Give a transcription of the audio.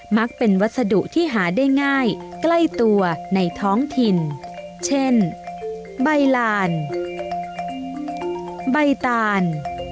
ักเป็นวัสดุที่หาได้ง่ายใกล้ตัวในท้องถิ่นเช่นใบลานใบตาล